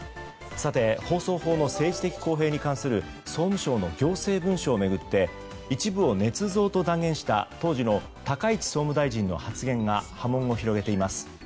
放送法の政治的公平に関する総務省の行政文書を巡って一部をねつ造と断言した当時の高市総務大臣の発言が波紋を広げています。